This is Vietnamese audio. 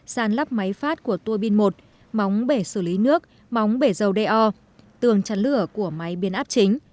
sàn lắp máy phát của tuôi pin một móng bể xử lý nước móng bể dầu đeo tường chắn lửa của máy biên áp chính